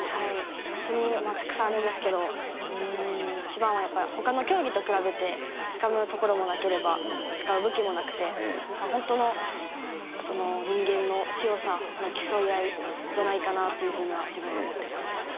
本当にたくさんあるんですけど、うーん、一番はやっぱり、ほかの競技と比べて、つかむところもなければ、使う武器もなくて、本当のその人間の強さの競い合いじゃないかなぁっていうふうには、自分は思ってます。